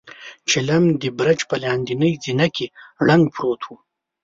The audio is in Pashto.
چيلم د برج په لاندنۍ زينه کې ړنګ پروت و.